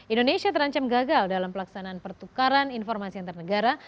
indonesia terancam gagal dalam pelaksanaan pertukaran informasi antar negara